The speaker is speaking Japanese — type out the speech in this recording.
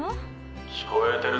聞こえてるぞ。